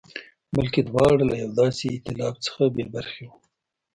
بلکې دواړه له یوه داسې اېتلاف څخه بې برخې وو.